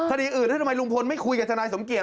คดีอื่นถ้าทำไมลุงพลไม่คุยกับทนายสมเกียจ